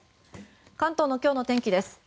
関東の今日の天気です。